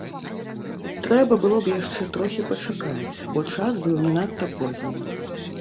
Трэба было б яшчэ трохі пачакаць, бо час быў не надта позні.